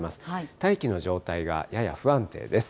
大気の状態がやや不安定です。